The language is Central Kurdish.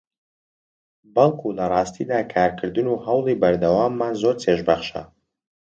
بەڵکو لەڕاستیدا کارکردن و هەوڵی بەردەواممان زۆر چێژبەخشە